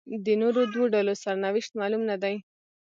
د نورو دوو ډلو سرنوشت معلوم نه دی.